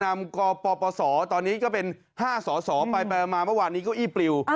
นำกปปศตอนนี้ก็เป็น๕สอสอไปมาเมื่อวานนี้เก้าอี้ปลิว